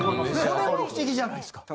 これも不思議じゃないですか。